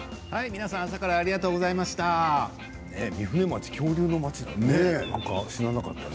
皆さん朝からありがとうございました。